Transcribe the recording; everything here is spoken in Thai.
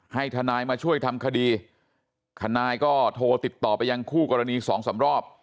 ให้ทนายมาช่วยทำคดีทนายก็โทรติดต่อไปยังคู่กรณีสองสามรอบ